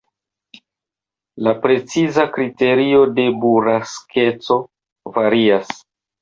La preciza kriterio de buraskeco varias.